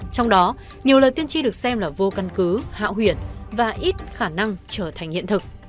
trong đó nhiều lời tiên tri được xem là vô căn cứ hạ hủy và ít khả năng trở thành hiện thực